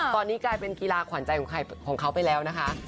ตอนนี้กลายเป็นกีฬาขวัญใจของเขาไปแล้วนะคะ